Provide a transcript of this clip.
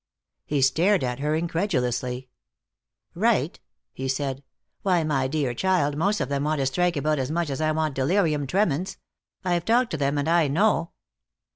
He stared at her incredulously. "Right?" he said. "Why, my dear child, most of them want to strike about as much as I want delirium tremens. I've talked to them, and I know."